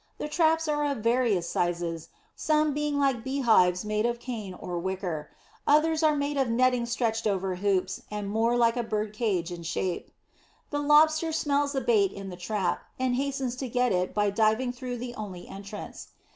The traps are of various shapes, some being like bee hives made of cane or wicker; others are made of netting stretched over hoops, and more like a bird cage in shape. The Lobster smells the bait in the trap, and hastens to get to it by diving through the only entrance.